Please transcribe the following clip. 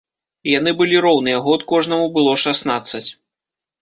Яны былі роўныя, год кожнаму было шаснаццаць.